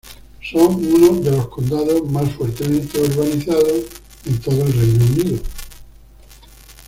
Son uno de los condados más fuertemente urbanizados en todo el Reino Unido.